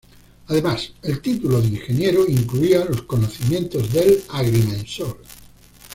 Además, el título de Ingeniero incluía los conocimientos del agrimensor.